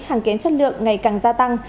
hàng kén chất lượng ngày càng gia tăng